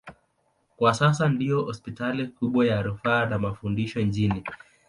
Kwa sasa ndiyo hospitali kubwa ya rufaa na mafundisho nchini.